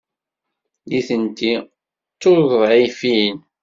Nitenti d tuḍɛifin.